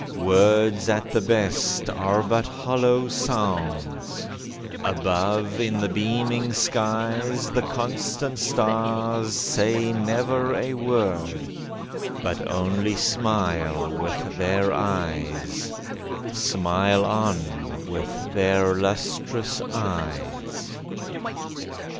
Words, at the best, are but hollow sounds; Above, in the beaming skies, The constant stars say never a word, But only smile with their eyes— Smile on with their lustrous eyes.